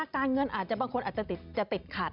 การเงินอาจจะบางคนอาจจะติดขัด